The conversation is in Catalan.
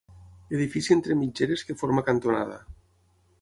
Edifici entre mitgeres que forma cantonada.